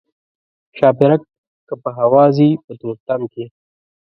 ښاپیرک که په هوا ځي په تورتم کې.